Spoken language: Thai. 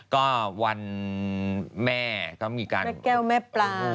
ก็วันแม่ก็มีการแม่แก้วแม่ปลา